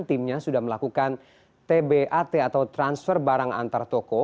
timnya sudah melakukan tbat atau transfer barang antar toko